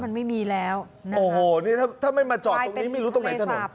มันไม่มีแล้วโอ้โหถ้าไม่เจาะตอนนี้ไม่รู้ตรงไหนจะเจาะ